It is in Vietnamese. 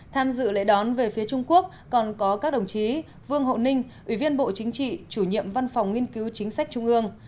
tham dự lễ đón về phía trung quốc còn có các đồng chí vương hộ ninh ủy viên bộ chính trị chủ nhiệm văn phòng nghiên cứu chính sách trung ương